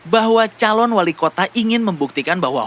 bahwa calon wali kota ingin membuktikan bahwa